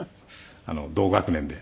同学年で。